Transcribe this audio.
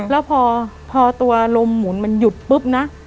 แล้วพอตัวลมหมุนมันหยุดปุ๊บนะ